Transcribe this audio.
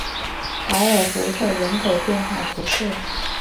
凯尔福特人口变化图示